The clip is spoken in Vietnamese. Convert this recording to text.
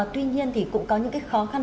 tuy nhiên thì cũng có những khó khăn